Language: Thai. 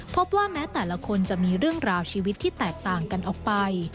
พบว่าแม้แต่ละคนจะมีเรื่องราวชีวิตที่แตกต่างกันออกไป